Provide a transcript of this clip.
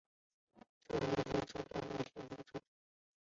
初田牛车站的铁路车站。